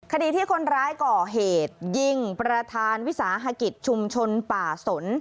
คดีที่คนร้ายก่อเหตุยิงประธานวิสาหกิจชุมชนป่าสน